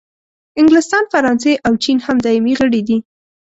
انګلستان، فرانسې او چین هم دایمي غړي دي.